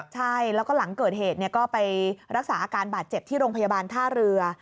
ใช่แล้วก็หลังเกิดเหตุก็ไปรักษาอาการบาดเจ็บที่โรงพยาบาลท่าเรือ